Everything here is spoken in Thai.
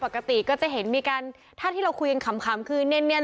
ปกติก็จะเห็นมีการถ้าที่เราคุยกันขำคือเนียน